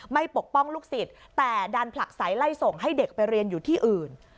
ปกป้องลูกศิษย์แต่ดันผลักใสไล่ส่งให้เด็กไปเรียนอยู่ที่อื่น